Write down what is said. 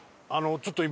ちょっと今。